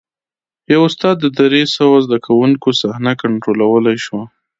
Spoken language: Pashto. یوه استاد د درې سوه زده کوونکو صحنه کنټرولولی شوه.